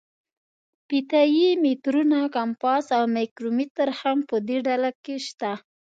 فیته یي مترونه، کمپاس او مایکرومتر هم په دې ډله کې شته.